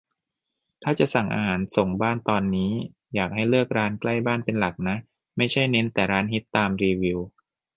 ถ้าจะสั่งอาหารส่งบ้านตอนนี้ อยากให้เลือกร้านใกล้บ้านเป็นหลักนะ ไม่ใช่เน้นแต่ร้านฮิตตามรีวิว